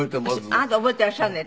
あなた覚えてらっしゃらない？